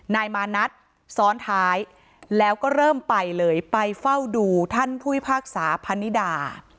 นายมานัดซ้อนท้ายแล้วก็เริ่มไปเลยไปเฝ้าดูท่านผู้พิพากษาพนิดา